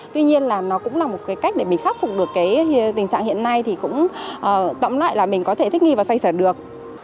cũng là một cái cách để mình khắc phục được cái tình trạng hiện nay thì cũng tổng lại là mình có thể thích nghi và xây dựng được